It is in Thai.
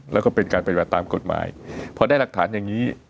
แล้วก็เป็นการปฏิบัติตามกฎหมายพอได้หลักฐานอย่างนี้